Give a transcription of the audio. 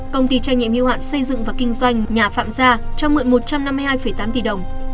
công ty trách nhiệm hưu hạn xây dựng và kinh doanh nhà phạm gia cho mượn một trăm năm mươi hai tám tỷ đồng